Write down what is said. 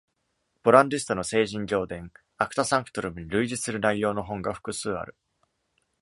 ボランディストの「聖人行伝」（Acta Sanctorum） に類似する内容の本が複数ある。